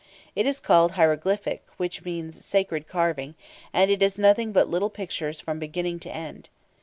It is called "hieroglyphic," which means "sacred carving," and it is nothing but little pictures from beginning to end.